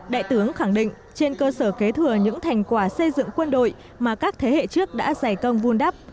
đại tướng khẳng định trên cơ sở kế thừa những thành quả xây dựng quân đội mà các thế hệ trước đã giải công vun đắp